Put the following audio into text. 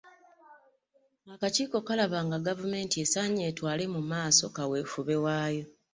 Akakiiko kalaba nga Gavumenti esaanye etwale mu maaso kaweefube waayo.